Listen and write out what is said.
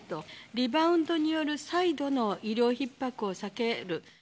リバウンドによる再度の医療ひっ迫を避ける。